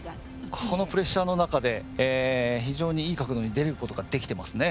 このプレッシャーの中で非常に、いい角度に出ることができてますね。